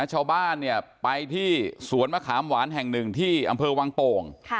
ชาวบ้านเนี่ยไปที่สวนมะขามหวานแห่งหนึ่งที่อำเภอวังโป่ง